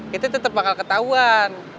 kita tetep bakal ketahuan